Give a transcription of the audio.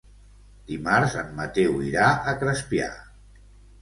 Dimarts en Mateu irà a Crespià.